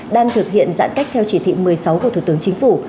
đang thực hiện giãn cách theo chỉ thị một mươi sáu của thủ tướng chính phủ